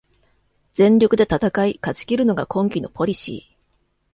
全力で戦い勝ちきるのが今季のポリシー